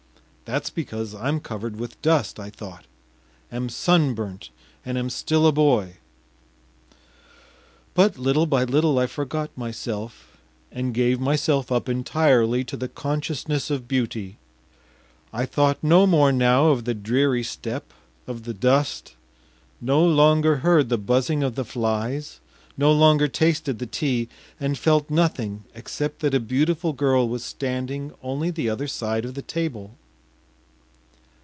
“That’s because I am covered with dust,” I thought, “am sunburnt, and am still a boy.” But little by little I forgot myself, and gave myself up entirely to the consciousness of beauty. I thought no more now of the dreary steppe, of the dust, no longer heard the buzzing of the flies, no longer tasted the tea, and felt nothing except that a beautiful girl was standing only the other side of the table.